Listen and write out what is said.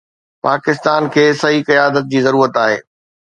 پاڪستان کي صحيح قيادت جي ضرورت آهي.